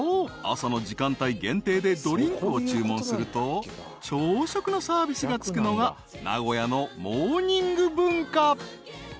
朝の時間帯限定でドリンクを注文すると朝食のサービスがつくのが名古屋のモーニング文化］